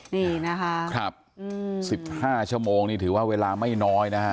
นี่นะคะ๑๕ชั่วโมงนี่ถือว่าเวลาไม่น้อยนะฮะ